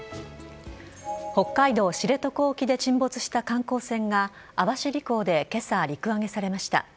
北海道知床沖で沈没した観光船が網走港で今朝、陸揚げされました。